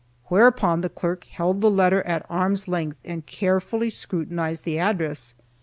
Whereupon the clerk held the letter at arm's length, and carefully scrutinized the address.